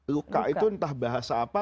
luka itu entah bahasa apa